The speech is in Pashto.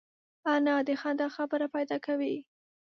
انا د خندا خبره پیدا کوي